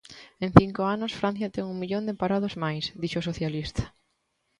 "En cinco anos, Francia ten un millón de parados máis", dixo o socialista.